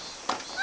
あ！